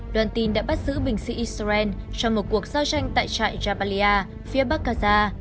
đoàn tin đã bắt giữ binh sĩ israel trong một cuộc giao tranh tại trại jabalia phía bắc gaza